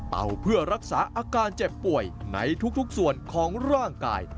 เพื่อรักษาอาการเจ็บป่วยในทุกส่วนของร่างกาย